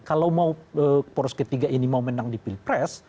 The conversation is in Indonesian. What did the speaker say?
kalau mau poros ketiga ini mau menang di pilpres